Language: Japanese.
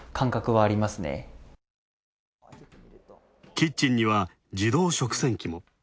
キッチンには、自動食洗機も。